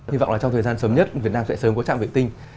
hy vọng là trong thời gian sớm nhất việt nam sẽ sớm có trạm vệ tinh